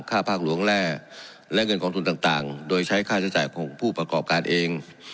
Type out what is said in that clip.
ภาคหลวงแร่และเงินกองทุนต่างโดยใช้ค่าใช้จ่ายของผู้ประกอบการเอง